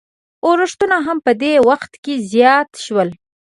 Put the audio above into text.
اورښتونه هم په دې وخت کې زیات شول.